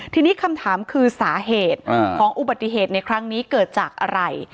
ทีนี้คำถามคือสาเหตุของอุบัติเหตุในครั้งนี้เกิดจากอะไร